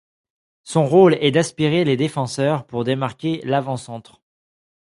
Son rôle est d'aspirer les défenseurs pour démarquer l'avant-centre.